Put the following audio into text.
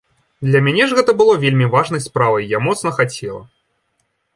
Для мяне ж гэта было вельмі важнай справай, я моцна хацела.